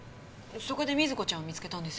そこで瑞子ちゃんを見つけたんですよね？